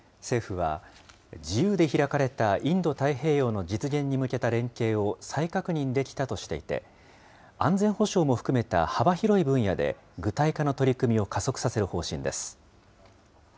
政府は、自由で開かれたインド太平洋の実現に向けた連携を再確認できたとしていて、安全保障も含めた幅広い分野で具体化の取り組みを加速させる方針です。